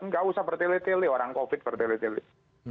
nggak usah bertilit tilit orang covid bertilit tilit